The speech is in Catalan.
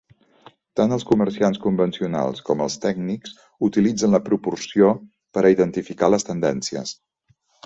Tant els comerciants convencionals com els tècnics utilitzen la proporció per a identificar les tendències.